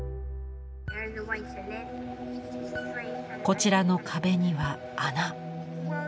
こちらの壁には穴！